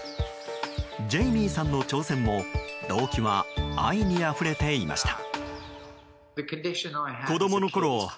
ジェイミーさんの挑戦も動機は愛にあふれていました。